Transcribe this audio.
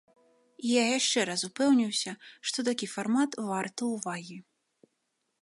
І я яшчэ раз упэўніўся, што такі фармат варты ўвагі.